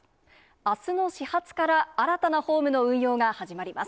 あすの始発から新たなホームの運用が始まります。